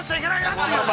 っていう。